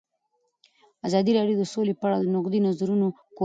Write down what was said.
ازادي راډیو د سوله په اړه د نقدي نظرونو کوربه وه.